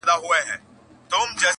راښكاره سوې سرې لمبې ياغي اورونه!